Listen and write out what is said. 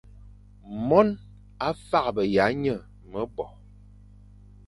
Mone a faghbe nya mebo,